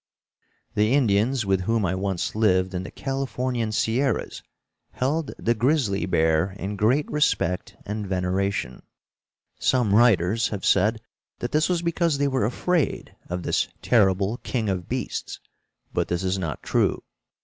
The Indians with whom I once lived in the Californian Sierras held the grizzly bear in great respect and veneration. Some writers have said that this was because they were afraid of this terrible king of beasts. But this is not true.